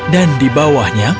dan di bawahnya